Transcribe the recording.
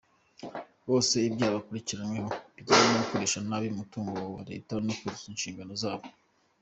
Bose ibyaha bakurikiranyweho bijyanye no gukoresha nabi umutungo wa Leta no kutuzuza inshingano zabo.